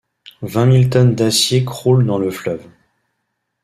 Vingt mille tonnes d'acier croulent dans le fleuve.